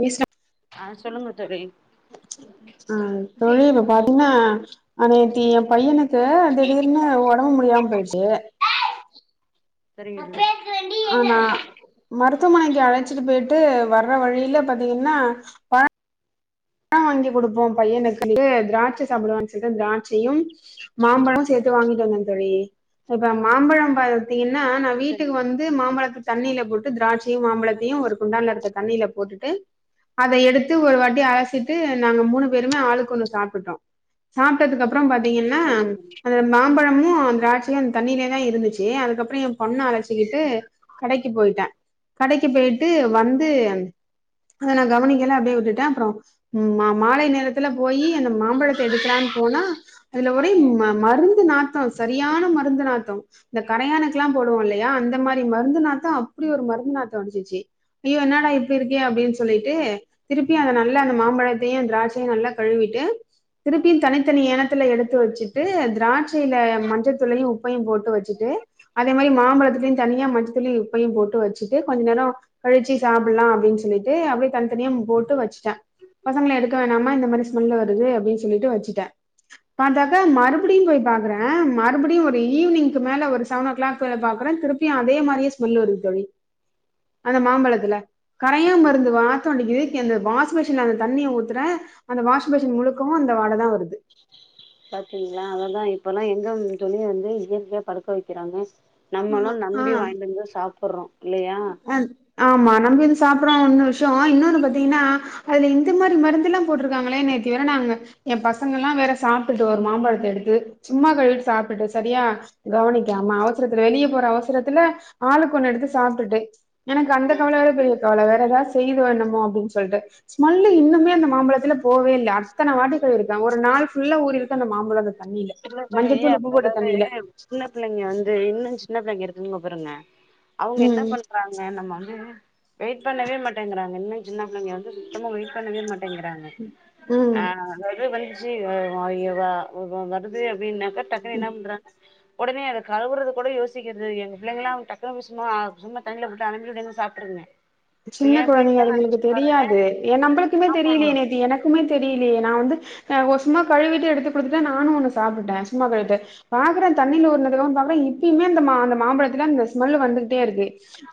பேசப் ஆஹ் சொல்லுங்க தோழி அஹ் தோழி சரிங்க இப்ப பாத்தீங்ன்னா ஆஹ் நேத்தி ஏ பையனுக்கு திடீர்னு ஒடம்பு முடியாம போய்ட்ச்சி சரிங்க ஆனா மருத்துவமனைக்கு அழைச்சிட்டு போய்ட்டு வர்ற வழில பாத்தீங்கன்னா பழ ழம் வாங்கி குடுப்போ பையனுக்கு [inaudible] திராட்ச சாப்பிடுவானு சொல்லிட்டு திராட்சையும் மாம்பழம் சேத்து வாங்கிட்டு வந்தே தோழி இப்ப மாம்பழ பழ பாத்தீங்கன்னா நா சரி வீட்டுக்கு வந்து மாம்பழத் தண்ணில போட்டு திராட்சையு மாம்பழத்தையு ஒரு குண்டான் இருக்க தண்ணில போட்டுட்டு அத எடுத்து ஒரு வாட்டி அலசி வந்துட்டு நாங்க மூணு பேருமே ஆளுக்கு ஒண்ணு சாப்ட்டுட்டோ. சாப்ட்டதுக்கு அப் அப்றொ பாத்தீங்கன்னா சரிங்க தோழி அந்த மாம்பழ இன்னு அந்த திராட்சையு அந்த தண்ணிலயே தா இருந்துச்சி. அதுக்கப்றம் ஏ பொண்ண அழைச்சிக்கிட்டு கடைக்கு போய்ட்டே. கடைக்கு போய்ட்டு வந்து அத நா கவனிக்கல அப்டியே விட்டுட்டே. அப்றொ மா மாலை நேரத்துல போயி அந்த மாம்பழத்த எடுக்கலான் போனா அதுல ஒரே ம மருந்து நாத்தம் சரியான மருந்து நாத்தம். இந்த கரையானுக்கு எல்லா போடுவோ இல்லயா அந்த மாரி மருந்து நாத்தம் அப்டி ஒரு மருந்து நாத்தம் அடிச்சிச்சி. ஐயோ என்னடா இப்டி இருக்கே அப்டின் சொல்லிட்டு திருப்பியு அந்த நல்லா அந்த மா மாம்பழத்தையு திராட்சையு நல்லா கழுவிட்டு திருப்பி தனித்தனி ஏனக் டத்துல எடுத்து வச்சிட்டு திராட்ச ஸில மஞ்சத்தூளையு உப்பையு போட்டு வச்சிட்டு அதே மாரி மாம்பழத்திலயு தண்ணி ல மஞ்சத்தூளையு உப்பையு போட்டு வச்சிட்டு கொஞ்சொ நேரம் கழிச்சி சாப்டலா அப்டி சொல்லிட்டு அப்டியே தனி தனியா போட்டு வச்சிட்டே பசங்கள எடுக்க வேணாம்மா இந்த மாரி ஸ்மெல் வருது அப்டின்னு சொல்லிட்டு வச்சிட்டே. பாத்தாக்கா மறுபடியும் போய் பாக்குறே மறுபடியும் ஒரு ஈவினிங்க் மேல ஒரு செவன் ஓ கிளாக் மேல பாக்கறே திருப்பியும் அதே மாரியே ஸ்மெல் வருது தோழி அந்த மாம்பழத்துல. கரையா பாத்தீங் மருந்து வாசம் அடிக்கிது ஏ அந்த வாஷ் பேஷன தண்ணிய ஊத்துறே அந்த வாஷ்பேஷன் முழுக்கவு அந்த வாட தா வருது பாத்தீங்ளா அதெல்லா இருக் இப்பல்லா எங்க தோழி வந்து இயற்கையா பழுக்க வக்கிறாங்க நம்மளு ஆ நம்பி ஆ வாங்கிட்டு வந்து சாப்பட்றோ அ ஆமா நம்பி வந்து சாப்பட்றோ ஒண்ணு விஷ்யம். இன்னொன்னு பாத்தீங்ன்னா அதுல இந்த மாரி மருந்து எல்லா போட்டிருக்காங்ளே நேத்தி வேற நாங்க ஏ பசங்க எல்லா வேற சாப்ட்டுட்டு ஒரு மாம்பழத்த எடுத்து சும்மா கழுவிட் சாப்ட்டுட்டு சரியா கவனிக்காம அவசரத்தில வெளிய போற அவசரத்தில ஆளுக்கொண்ணு எடுத்து சாப்ட் ட்டு எனக்கு அந்த கவல வேற பெரிய கவல வேற ஏதாவது செய்தோ என்னமோ அப்டின் சொல்லிட்டு ஸ்மெல்லு இன்னுமே அந்த மாம்பழத்துல போவே இல்ல. அத்தன வாட்டி கழுவிருக்கே ஒரு நாள் ஃபுல்லா ஊறிருக்கு அந்த மாம்பழம் அந்த தண்ணில இல்ல தோழி மஞ்சத்தூள் உப்பு போட்ட அதாவது தண்ணில சின்ன பிள்ளைங்க வந்து இன்னு சின்ன பிள்ளைங்க இருக் ங்க பாருங்க அவுங்க என்ன ம் பண்றாங்க நம்ம வந்து வெய்ட் பண்ணவே மாட்டேங்குறாங்க இன்னு சின்ன பிள்ளைங்க வந்து சுத்தமா வெயிட் பண்ணவே மாட் டேங்குறாங்க ம் ஆஹ் அதாது வந் [unintelligible] வொ வோ வருது ப்டினாக்க டக்குனு என்ன பண்றாங்க ஒடனே அத கழுவுறத கூட யோசிக்கிறது எங்க பிள்ளைங்குளா வந் டக்குனு வி சும்மா சும்மா தண்ணில விட்டு அளம்பி [unintelligible] சாப்ட்ருங்க சின்ன ஏ கொழந்தைங்க பிள்ளைங்கலா அதுகளுக்கு நெனச்சு பாருங்க தெரியாது ஏ நம்பளுக்குமே ஆமா தெரியலயே நேத்து எனக்குமே தெரியலேயே நா வந்து ஆஹ் ஒ சும்மா கழுவிட்டு எடுத்து குடுத்துட்டே நானு ஒன்னு சாப்ட்டுட்டே சும்மா கழுவிட்டு பாகுறே தண்ணில உர்ன்னததா பாக்குறே இப்பையுமே அந்த மா அந்த மாம்பழத்துல அந்த ஸ்மெல்லு வந்துகிட்டே இருக்கு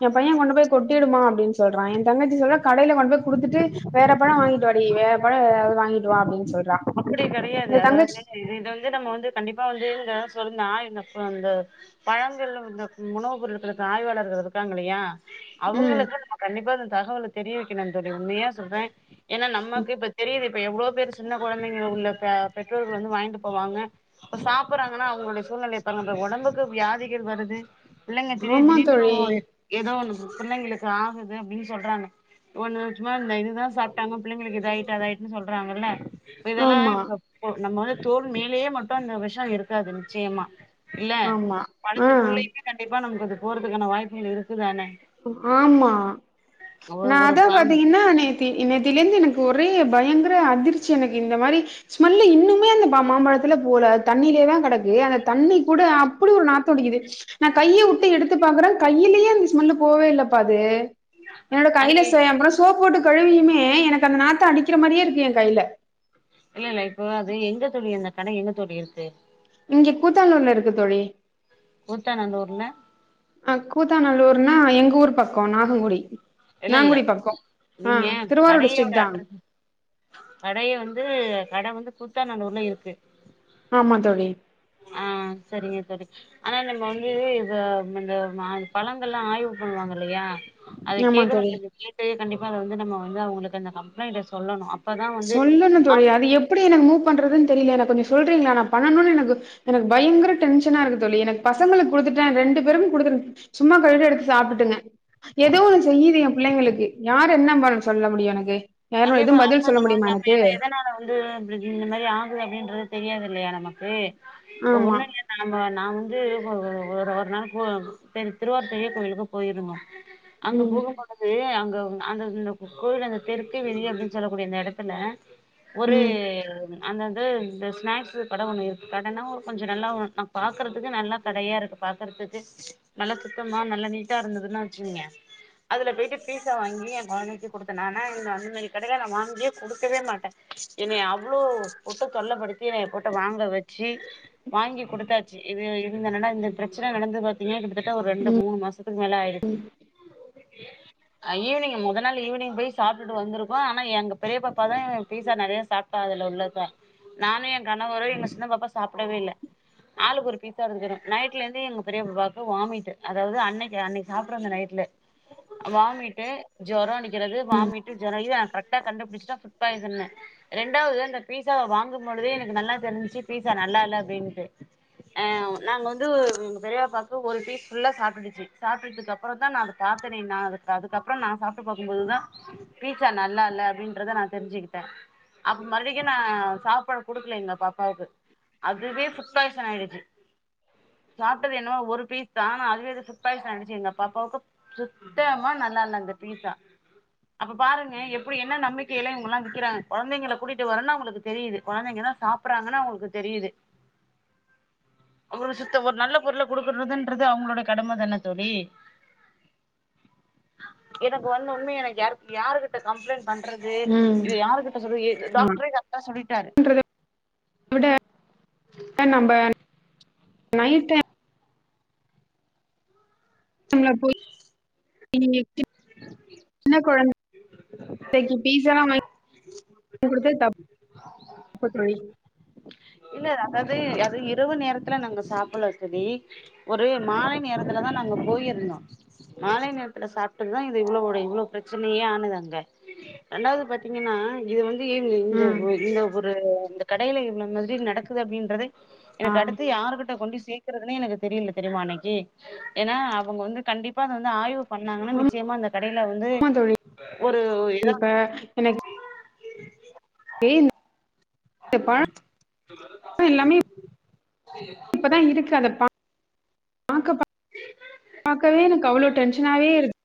எ பைய கொண்டு போய் கொட்டிடுமா அப்டின் சொ சொல்றா எ தங்கச்சி சொல்றா கடைல கொண்டு போய் குடுத்துட்டு வேற பழ வாங்கிட்டு வாடி வேற பழ எதாவ்து வாங்கிட்டு வா அப்டின் சொ அப்டி கெடையாது அதாவ்து இது இத வந்து நம்ம வந்து கண்டிப்பா வந்து இத சொல்னா இந்த அந்த பழங்கள்ல வந்த உணவு பொருட்களுக்கு ஆய்வாளர்கள் இருக்காங்கலையா ம் அவுங்களுக்கு நம்ம கண்டிப்பா இந்த தகவல தெரியவைக்கனு தோழி உண்மையா சொல்றே ஏனா நம்மக்கு இப்ப தெரியிது இப்ப எவ்ளோ பேரு சின்னக் கொழந்தைங்களுக்குள்ள பா பெற்றோர்கள் வந்து வாய்ன்ட்டு போவாங்க அப்ப சாப்புறாங்கனா அவுங்களுடைய சூழ்நெலைய பார்ங்க அந்த ஒடம்புக்கு வியாதிகள் வருது பிள்ளைங்க திடீர் ஆமா திடீர்னு தோழி ஓரு எதோ ஒன்னு குரு பிள்ளைங்களுக்கு ஆகுது அப்டின் சொல்றாங்க ஒன்னு சும்மா இந்த இதுதா சாப்டாங்க பிள்ளைங்களுக்கு இது ஆய்ட்டு அதாய்ட்டுன் சொல்றாங்கள்ல இதெல்லா ஆமா இப்ப இப்போ நம்ம வந்து தோல் மேலேயே மட்டு அந்த வெஷ இருக்காது நிச்சயமா இல்ல ஆமா ஆ பழத்துக்குள்ளயுமே கண்டிப்பா நமக் அது போறதுக்கான வாய்ப்புகள் இருக்குதானே ஆமா ஒரு நா ஒரு அதா பாம் பாத்தீகனா நேத்தி இன் நேத்திலிருந்து எனக்கு ஒ ஒரே பயங்ர அதிர்ச்சி எனக்கு இந்த மாரி ஸ்மல்லு இன்னுமே அந்த பா மாம்பழத்துல போல தண்ணிலேதா கெடக்கு ஆனா தண்ணி கூட அப்பிடி ஒரு நாத்தோ அடிக்குது நா கையவுட்டு எடுத் து பாக்குறே கையிலயு அந்த ஸ்மல்லு போவே இல்லப்பா அது என்னோட கைல அது சேம்பு நா சோப் போட்டு கழுவியுமே எனக்கு அந்த நாத்தோ அடிக்கிற மாரியே இருக்கு எ கைல இல்லல்ல இப்போ அது எங்க தோழி அந்த கட எங்க தோழி இருக்கு இங்க கூத்தானூர்ல இருக்கு தோழி கூத்தாநல்லூர்னா அஹ் கூத்தாநல்லூர்னா எங்கூரு பக்கோ நாகுங்குடி இல்லல்ல நீங்க திருவாரூர் கடையோட டிஸ்ட்ரிக் தா அட்ரஸு கடைய வந்து கட வந்து கூத்தாநல்லூர்ல இருக்கு ஆமா தோழி ஆஹ் செரிங்க செரி ஆனா நம்ம வந்து இத அந்த ஒரு நாலு பழங்கள்லா ஆய்வு பண்ணுவாங்க இல்லயா ஏமாந்து [unintelligible] அந்த ஜீ பே கண்டிப் மேல வந்து நம்ம வந்து அவ்ங்களுக்கு அந்த கம்ப்ளைண்ட்ட சொல்லணு அப் சொல்லணு தோழி அது எப்டி எனக்கு மூப் பண்றதுன் தெரியல எனக் கொஞ்ச சொல்றீங்ளா நா பண்ணணுனு எனக்கு எனக்கு பயங்கர டென்ஷனாருக்கு தோழி எனக்கு பசங்களுக்கு குடுத்துட்டேன் ரெண்டு பேரும் குடுத்துன் சும்மா கடுக்கு எடுத்து சாப்பிட்டுங்க ஏதோ ஒன்னு செய்யுது என் புள்ளைங்களுக்கு யார் என்ன பதில் சொல்ல முடியும் எனக்கு யாரோ எதும் பதில் பா முடியுமா எல்லாமே எனக்கு எதனால வந்து இந்த மாரி ஆகுது அப்டின்றது தெரியாதில்லையா நமக்கு ஆமா ஒண்ணு இல்ல நாம நான் வந்து ஒரு ஒரு ஒரு நாள் பொ திருவார்த்தைய கோயிலுக்கு போயிருந்தோம் அங்க ம் போகமானது அங்க அந்தந்த கோவில் அந்த தெருப் ட்டுவீதி அப்டின்னு சொல்லக்கூடிய அந்த எடத்துல ஒரு ம் அந்தந்த இந்த ஸ்நாக்ஸு கடை ஒன்னு இருக்கு கடனா கொஞ்சம் நல்லா ஒரு நா பாார்க்கறதுக்கு நல்லா கடையா இருக்கு பார்கறதுக்கு நல்லா சுத்தமாக நல்லா நீட்டாக இருந்ததுன்னு வச்சுக்கீங்க அதுல போய்ட்டு பீஸா வாங்கி என் கொழந்தைக்கு கொடுத்தேன் நான் என்ன அங்க வ இதேமாரி கடைலா நா வாங்கியே குடுக்கவே மாட்டேன் என்னய அவ்ளோ போட்டு தொல்லப்படுத்தி என்ன போட்டு வாங்க வச்சு வாங்கி குடுத்தாச்சு இது நடந் இந்த பிரச்சனை நடந்து பாத்தீங்கனா இது கிட்டதட்ட ஒரு ரெண்டு மூணு மாசத்துக்கு மேல ஆயிருச்சு ஈவினிங் மொத நாள் ஈவினிங் போய் சாப்பிட்டுட்டு வந்திருக் வன் ஆனா எங்க பெரிய பாப்பா தான் இங்க பீஸா நறைய சாப்டு து அதுல உள்ளதா நானும் என் கணவரு எங்க சின்ன பாப்பா சாப்டவே இல்ல ஆளுக்கு ஒரு பீஸா இருந்துக்கிற நைட்லெந்தெ எங்க பெரிய பாப்பாக்கு வாமிட்டு அதாவது அன்னைக்கு அன்னைக்கு சாப்பிறந்த நைட்டு ல வாமிட்டு ஜுரம் அடிக்கிறது வாமிட்டு ஜொர இதா தான் கண்டுபிடிச்சா புட் பாய்சனு ரெண்டாவது அந்த பீஸாவை வாங்கும்பொழுதே எனக்கு நல்லா தெரிஞ்சச்சு பீஸா நல்லால அப்படின்னுட்டு அஹ் நாங்க வந்து ஒரு பெரிய பாபாக்கு ஒரு பீஸ் ஃபுல்லா சாப்பிடுச்சு சாப்பிடுதுக்கு அப்புறம் தான் நான் அத பார்த்தனேன் நான் அதுக்கப்பறம் நான் சாப்ட்டு பாக்கும்போதுதான் பிட்ஸா நான் நல்ல அப்படின்றத நான் தெரிஞ்சிக்கிட்டேன் அப்ப மறுபடிக்கு நா சாப்பிட குடுக்கல எங்க பாப்பாவுக்கு அதுவே ஃபுட் பாய்சன் ஆயிடுச்சு சாப்பிட்டது என்னவோ ஒரு பீஸ்தான் அதுவே எதோ ஃபுட் பாய்சன் ஆயிடுச்சு எங்க பாப்பாவுக்கு சுத்தமா நல்லா இல்ல அந்த பீஸா அப்ப பாருங்க எப் இப்டி என்ன நம்பிக்கையில இவுங்கெல்லாம் விக்கிறாங்க கொழந்தைங்கள கூட்டிட்டு வரோன்னு அவங்களுக்கு தெரியுது கொழந்தைங்கதான் சாப்பிட்றாங்கன்னு அவங்களுக்கு தெரியுது அவ்ளோ சுத்த ஒரு நல்ல பொருளை குடுக்கனுங்கிறது அவங்களோட கடமைதானே தோழி எனக்கு வந்த உண்மைய நான் யாருகிட்ட கம்ப்ளைண்ட் பண்றது ம் இது யாருகிட்ட சொல்றது எ ஆமா. டாக்டரே கர்ட்டா சொல்லிட்டாரு அத விட நயிட் டைம் டைம்ல போய் [unintelligible] ன்ன கொழந் கு பீஸால்லா [unintelligible] தப்பு தோழி இல்ல அதாது அது இரவு நேரத்துல நாங்க சாப்புல்ல தோழி ஒரு மாலை நேரத்துலதா நாங்க போயிருந்தோ மாலை நேரத்துல சாப்டதுதா இது இவ்ளோட இவ்ளோ ப்ரச்சனயே ஆனது அங்க ரெண்டாவது பாத்தீங்கன்னா இது வந் து இந்த ம் [unintelligible] கடைல இவ்ளன்னல் [unintelligible] நடக்குது அப்டின்றதெ ஆ எனக்கு அடுத்து ஆமா யாருகிட்ட கொண்டு சேக் கிறதுனே எனக்கு தெரில தெரியுமா அன்னைக்கி ஏனா அவுங்க வந்து கண்டிப்பா அது வந்து ஆய்வு பண்ணாங்கனா நிச்சயமா அந்த கடைல வந்து தோழி ஒரு இத ஏன் எல்லாமே இப்பதான் இருக்கு அத உம் பாக்க பாக்கவே எனக்கு அவ்ளோ டென்ஷனாவே இருக்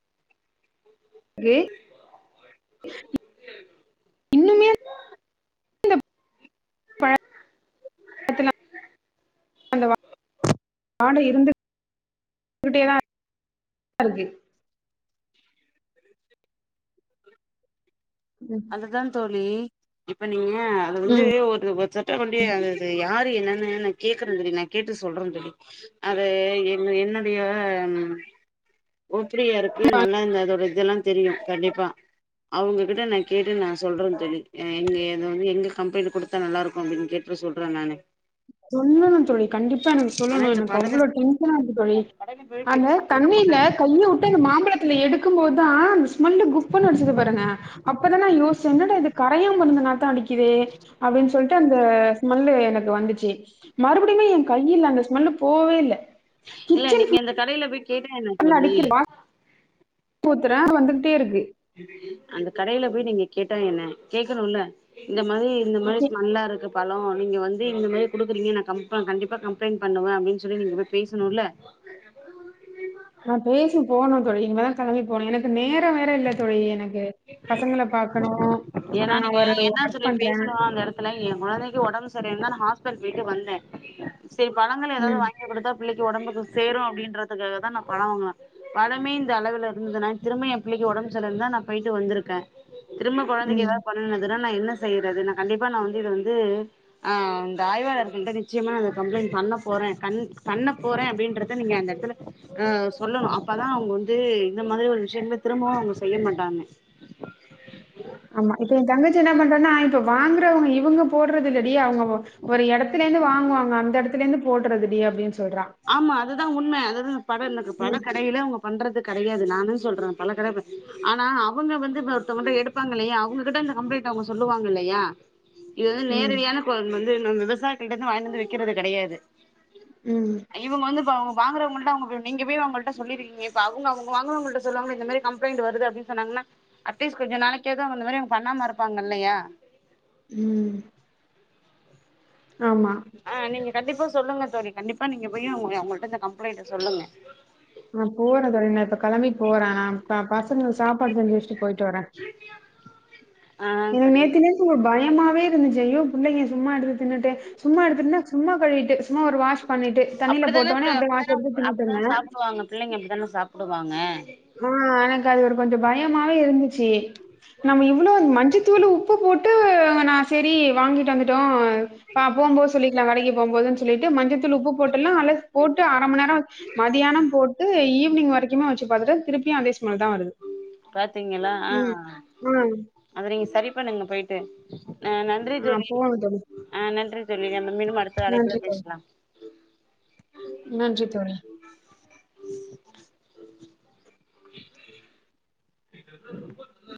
வே இன்னுமே இந்த [inaudible] அந்த வாடை இருந்துகிட்டே தா இருக்கு ம். அதுதா தோழி ழி இப்ப நீங்க அது வந்து ம். ஒரு [unintelligible] வண்டிய அது யார் ரு என்னனு நா கேக்குற தோழி நா கேட்டு சொல்றந் தோழி அது என் என்னடைய ஓப்டியா இருக்கு நல்லா இந்த அதோட இதெல்லா தெரியு கண்டிப்பா அவுங்ககிட்ட நா கேட்டு நா சொல்றே தோழி எங்க எது வந்து எங்க கம்ப்ளைண்டு குடுத்தா நல்லா இருக்கு அப்டின் கேட்டு சொல்றே நானு சொல்லணு தோழி கண்டிப்பா எனக்கு ஆனா சொல்லணு இந்த எனக்கு அவ்ளோ படத்துல டென்ஷனா இருக்கு தோழி அந்த கடையில போய் கேட்டு அந்த சண்ட தண்ணில போட்டாங்க கைய வுட்டு அந்த மாம்பழத்துல எடுக்கும் போதான் ஸ்மல்லு குப்புனு அடுச்சது பாருங்க அப்பதா நா யோசுச்சே என்னடா இது கரையா மருந்து நாத்தோ அடிக்குதே அப்டின் சொல் ட்டு அந்த ஸ்மல்லு எனக்கு வந்துச்சி மறுபடியுமே என் கையில அந்த ஸ்மெல்லு போவே இல்ல இல்ல கிச்சன் நீங்க இந்த கடைல போய் கேட்டா என்ன தோழி பூத்துறே வந்துட்டே இருக்கு அந்த கடைல போய் நீங்க கேட்டா என்ன கேக்கணுல்ல இந்த மாரி இந்த மாரி ஸ்மெல்லாருக்கு பழொ நீங்க வந்து இந்த மாரி குடுக்குறீங்க நா கம்ப கண்டிப்பா கம்ப்ளைண்ட் பண்ணுவே அப்டின் சொல்லி நீங்க போய் பேசணுல்ல நா பேசி போணோ தோழி இனிமேதா கெளம்பி போணு எனக்கு நேரோ வேற இல்ல தோழி எனக் ஏனா நான் நீங்க ஒரு என்னா ஒர்க் சொல்லி பண்றேன். பேசணு அந்த எடத்துல ஏ கொழந்தைக்கு உடம்பு சரியில்லன் தா ஹாஸ் பிடல் போயிட்டு வந்தே சேரி பழங்கள் ஏதாது ம், வாங்கி கொடுத்தா பிள்ளைக்கு ஒடம்புக்கு சேரோ அப்டின்றதுக்காக தா நா பழோவாங்குவே பழமே இந்த அளவுல இருந்ததுனா திரும்ப என் பிள்ளைக்கு ஒடம்பு சரிலன்னா நா போய்ட்டு வந்திருக்கே திரும்ப கொழந்தைக்கு ம். ஏதாவ பண்ணுதுன்னா நா என்ன செய்றது நா கண்டிப்பா நா வந்து இத வந்து ஆ இந்த ஆய்வாளர்கள் கிட்ட நிச்சயமா நா கம்ப்ளைண்ட் பண்ண போறே பண்ண போறே அப்டின்றத நீங்க அந்த எடத்துல சொல்லணு அப்தா அவுங்க வந்து இந்த மாரி ஒரு விஷயங்களே திரும்பவு அவுங்க செய்ய மாட்டாங்க ஆமா இப்ப என் தங்கச்சி என்ன பண்றான்னா இப்ப வாங்கறவங்க இவுங்க போல போட்றது இல்லடி அவுங்க ஒரு எடத்தல இருந்து வாங்க வாங்வாங்க அந்த எடத்துல இருந்து போட்றது டி அப்படின் ஆமா அதுதா உண்ம அதுதா படலுக்கு பல ம், கடையில அவங்க பண்றதுக் கெடையாது நாந்த சொல்றே பல கட ஆனா அவுங்க வந்து ஒருத்தவங்கிட்ட எடுப்பாங்க இல்லையா அவங்ககிட்ட இந்த கம்ப்ளைண்ட்ட அவங்க சொல்லுவாங்கல்லையா இது வந்து ம், நேரடியான கொழல் வந் து நம் விவசாயிகள்ட்ட இருந்து வாங்கி வந்து விக்கிறது கெடையாது ம், இவ்ங்க வந்து இப்ப வ வாங்கறவங்கள்ட அவங்க நீங்க போய் அவங்கள்ட்ட சொல்லிருக்கீங்க இப்ப அவங்க அவங்க வாங்குறவங்கள்ட சொல்லாம இந்த மாரி கம்ப்ளைண்ட் வருது அப்டின்னு சொன்னாங்கனா அட்லீஸ்ட் கொஞ்ச நாளைக்காது அவங்கந்த மாரி பண்ணாம இருப்பாங்க இல்லயா ம் ஆமா ஆ நீங்க கண்டிப்பா சொல்லுங்க தோழி கண்டிப்பா நீங்க போய் அவ்ங்க அவ்ங்கள்ட இந்த கம்ப்ளைண்ட்ட சொல்லுங்க நா போறே தோழி நா இப்ப கெளம்பி போற நா தா பசங்களுக்கு சாப்பாடு செஞ்சு வச்ட்டு பொய்ட்டு வரே ஆ எனக்கு சரிங்க நேத்து நைட் ஒரு பய யமாவே இருந்துச்சு ஐயோ புள்ளைங்க சும்மா எடுத்து தின்னுட்டே சும்மா எடுத்துருந்த சும்மா கழுவிட்டு ம்மா வாஷ் பண்ணிட்டு தண்ணியில அப்டிதான போட்டோனே பிள்ள அப்படியே வாஷ் அப்டிதான எடுத்து தின்னுட்டுருந்த அப்டிதான சாப்டுவாங்க பிள்ளைங்க அப்டிதானே சாப்டுவாங்க ஆ எனக்கது ஒரு கொஞ்சோ பயோ பயமாவே இருந்துச்சு நம்ம இவ்ளோ மஞ்சதூளு உப்பு போட்டு நா சேரி வாங்கிட்டு வந்துட்டோ பாப்போம் பொஸ் சொல்லிக்கலா கடைக்கு போம்போதுன் சொல்லிட்டு மஞ்சதூள் உப்பு போட் டுல்லா அலஸ் போட்டு அர மண்நேரோ மதியானோ போட் டு ஈவினிங் வரைக்குமெ வச்சு சு பாத்துட்டு திருப்பியு அதே ஸ்மல்தா வருது பாத்தீங்களா ஆ ம். ஆ. அத நீங்க சரி பன்னுங்க போய்ட்டு ஆ நன்றி ஆ தோழி போங்க தோழி. ஆ நன்றி தோழி நம்ம மீண்டும் அடுத்த அழைப்புல நன்றி தோழி. பேசலா நன்றி தோழி. [unintelligible] இதல்லா ரொம்ப தக